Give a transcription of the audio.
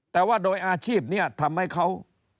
แต่ว่าโดยอาชีพนี้ทำให้เขา